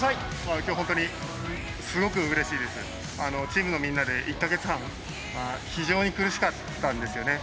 チームのみんなで１か月半非常に苦しかったんですよね。